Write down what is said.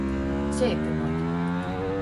Seitynuot.